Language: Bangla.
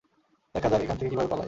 দেখা যাক এখান থেকে কিভাবে পালায়।